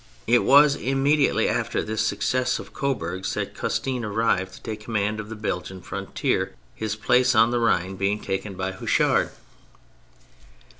It was immediately after this success of Coburg's that Custine arrived to take command on the Belgian frontier, his place on the Rhine being taken by Houchard.